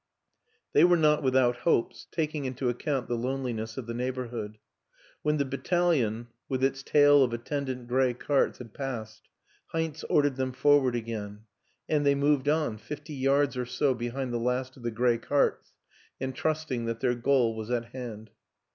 They were not without hopes, taking into account the loneliness of the neighborhood. ... When the battalion, with its tail of attendant gray carts, had passed, Heinz ordered them forward again and they moved on, fifty yards or so behind the last of the gray carts, and trusting that their goal was at hand.